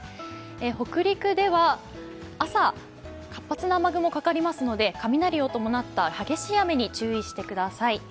北陸では朝、活発な雨雲がかかりますので雷を伴った激しい雨に注意してください。